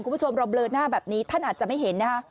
คุณผู้ชมเราเบลอหน้าแบบนี้ท่านอาจจะไม่เห็นนะฮะ